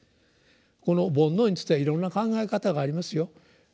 この「煩悩」についてはいろんな考え方がありますよ。